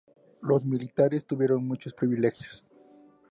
Los militares tuvieron muchos privilegios.